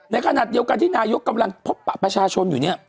ในขณะเดียวกันที่นายกกำลังพบปะประชาชนอยู่เนี่ย